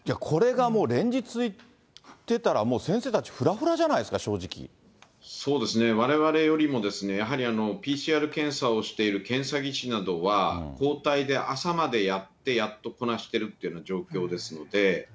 これがもう連日っていってたら、もう先生たち、ふらふらじゃそうですね、われわれよりもやはり、ＰＣＲ検査をしている検査技師などは、交代で朝までやって、やっとこなしてるっていう状態ですので。